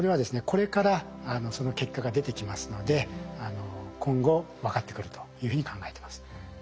これからその結果が出てきますので今後分かってくるというふうに考えてます。